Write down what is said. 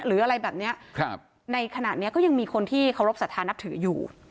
หรืออะไรแบบเนี้ยครับในขณะนี้ก็ยังมีคนที่เคารพสัทธานับถืออยู่